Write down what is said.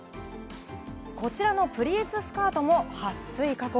こちらのプリーツスカートも撥水加工。